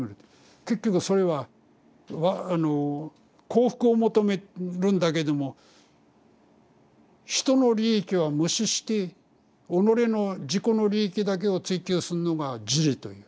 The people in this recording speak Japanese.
結局それは幸福を求めるんだけども人の利益は無視して己の自己の利益だけを追求すんのが「自利」と言う。